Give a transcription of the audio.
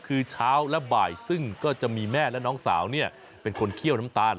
คือเช้าและบ่ายซึ่งก็จะมีแม่และน้องสาวเป็นคนเคี่ยวน้ำตาล